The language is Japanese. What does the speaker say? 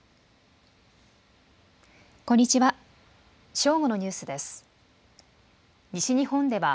こんにちは。